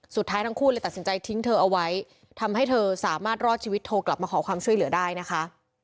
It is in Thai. สุดท้ายทั้งคู่เลยตัดสินใจทิ้งเธอเอาไว้ทำให้เธอสามารถรอดชีวิตโทรกลับมาขอความช่วยเหลือได้นะคะ